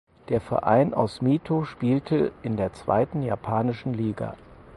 Der Verein aus Mito spielte in der zweiten japanischen Liga.